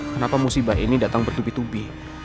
kenapa musibah ini datang bertubi tubi